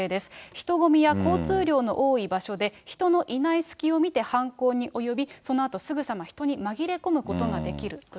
人混みや交通量の多い場所で、人のいない隙を見て犯行に及び、そのあとすぐさま人に紛れ込むことができる。